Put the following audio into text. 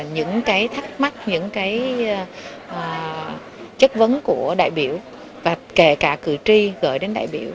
những cái thắc mắc những cái chất vấn của đại biểu và kể cả cử tri gửi đến đại biểu